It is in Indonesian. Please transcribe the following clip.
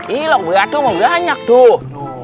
ini loh banyak banyak tuh